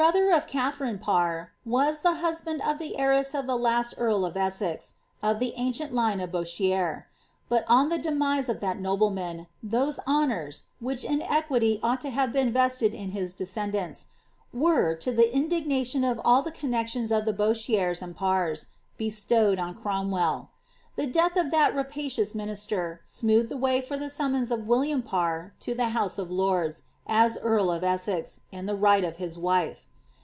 her of Katharine Parr was the husband of the heiress of the Essex, of the ancient line of Bouchier ; but on the demise of nan, those honours, which in equity ought to have been is descendants, were, to the indignation of all the connexions ihiers and Parrs, bestowed on Cromwell. The death of that linister smoothed the way for the summons of William Parr e of lords, as earl of Essex, in the right of his wife.'